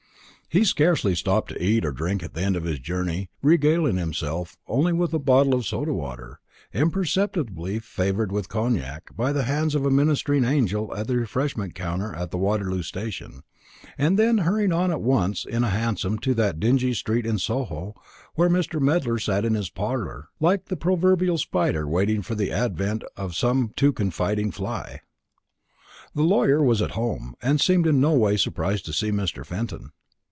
He scarcely stopped to eat or drink at the end of his journey, regaling himself only with a bottle of soda water, imperceptibly flavoured with cognac by the hands of a ministering angel at the refreshment counter of the Waterloo Station, and then hurrying on at once in a hansom to that dingy street in Soho where Mr. Medler sat in his parlour, like the proverbial spider waiting for the advent of some too confiding fly. The lawyer was at home, and seemed in no way surprised to see Mr. Fenton.